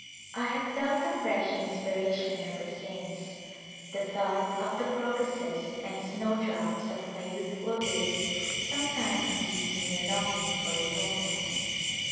I have felt a fresh inspira tion ever since ; the thought of the crocuses and snowdrops of my youthful days sometimes gives me a longing for the homeland.